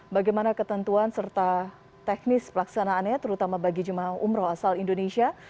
bagaimana ketentuan serta teknis pelaksanaannya terutama bagi jemaah umroh asal indonesia